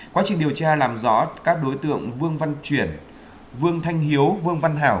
quá trình điều tra làm rõ các đối tượng vương văn chuyển vương thanh hiếu vương văn hảo